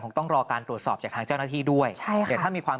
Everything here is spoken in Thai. ต้องรอการตรวจสอบจากทางเจ้าหน้าที่ด้วยใช่ค่ะเดี๋ยวถ้ามีความ